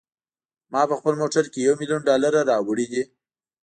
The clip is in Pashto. ما په خپل موټر کې یو میلیون ډالره راوړي دي.